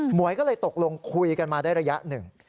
หวยก็เลยตกลงคุยกันมาได้ระยะหนึ่ง